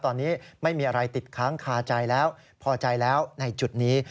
ตอนนี้ไม่มีอะไรติดค้างคาใจแล้วพอใจแล้วในจุดนี้